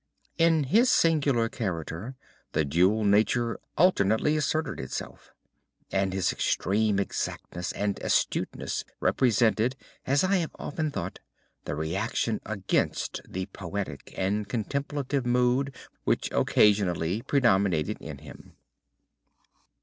In his singular character the dual nature alternately asserted itself, and his extreme exactness and astuteness represented, as I have often thought, the reaction against the poetic and contemplative mood which occasionally predominated in him.